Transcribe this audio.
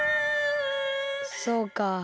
そうか。